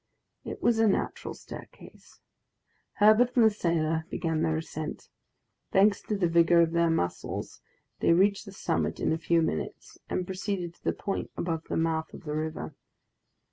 It was a natural staircase. Herbert and the sailor began their ascent; thanks to the vigor of their muscles they reached the summit in a few minutes; and proceeded to the point above the mouth of the river.